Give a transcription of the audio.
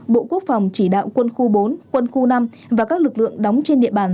bộ quốc phòng chỉ đạo quân khu bốn quân khu năm và các lực lượng đóng trên địa bàn